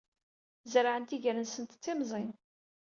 Zerɛent iger-nsent d timẓin.